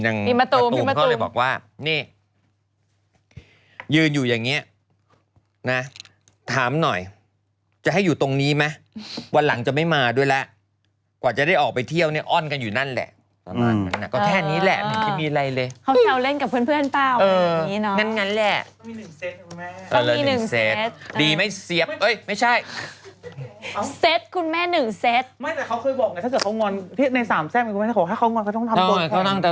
อะไรยังแ้ะอย่างนี้่อย่างนี้มันแน่เลยมันสีแล้วอ่านี้ผมเขียนให้ดูโอเคแปลว่าพี่หนุ่มแค่๓สีนี่แหละค่ะคุณแม่